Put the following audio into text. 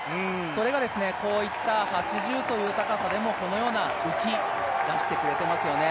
それがこういった８０という高さでも、このような浮きを出してくれていますよね。